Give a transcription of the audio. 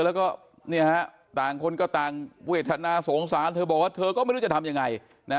แล้วก็ต่างคนก็ต่างเวทนาสงสารเธอบอกว่าเธอก็ไม่รู้จะทำยังไง